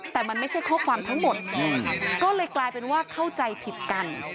แต่มันไม่ใช่ข้อความทั้งหมดก็เลยกลายเป็นว่าเข้าใจผิดกัน